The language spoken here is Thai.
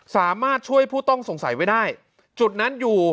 สามารถช่วยผู้ต้องสงสัยไว้ได้จุดนั้นอยู่